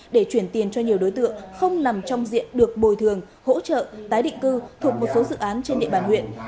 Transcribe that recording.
để chuyển tiền cho nhiều đối tượng không nằm trong diện được bồi thường hỗ trợ tái định cư thuộc một số dự án trên địa bàn huyện